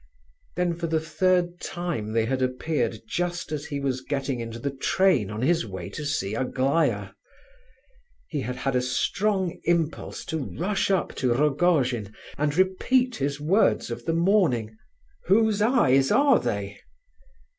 Then for the third time they had appeared just as he was getting into the train on his way to see Aglaya. He had had a strong impulse to rush up to Rogojin, and repeat his words of the morning "Whose eyes are they?"